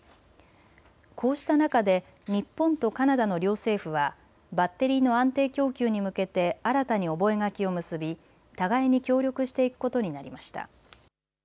こうした中で日本とカナダの両政府はバッテリーの安定供給に向けて新たに覚書を結び互いに協力していくことになりました。